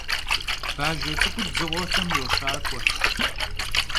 Bajje ts'ık'ur dzığuexem yoşak'ue.